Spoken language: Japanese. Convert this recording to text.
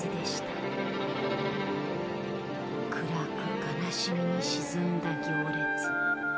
暗く悲しみに沈んだ行列。